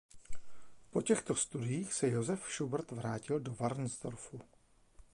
Po těchto studiích se Joseph Schubert vrátil do Varnsdorfu.